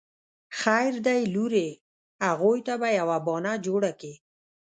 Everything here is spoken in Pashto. خير دی لورې اغوئ ته به يوه بانه جوړه کې.